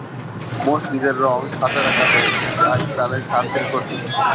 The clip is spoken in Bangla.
মসজিদের রঙ সাদা রাখা হয়েছে, যা ইসলামের শান্তির প্রতীক।